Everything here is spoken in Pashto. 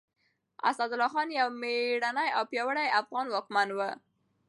اسدالله خان يو مېړنی او پياوړی افغان واکمن و.